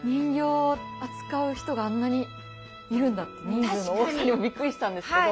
人数の多さにもびっくりしたんですけど。